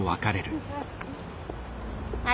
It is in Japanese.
あれ？